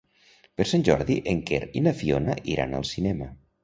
Per Sant Jordi en Quer i na Fiona iran al cinema.